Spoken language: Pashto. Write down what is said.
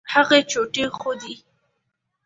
هغې چوټې ښودې.